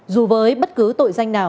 dù với bất cứ tội danh nào